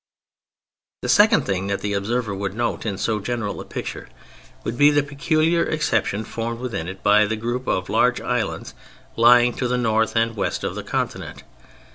The second thing that the observer would note in so general a picture would be the peculiar exception formed within it by the group of large islands lying to the North and West of the Continent.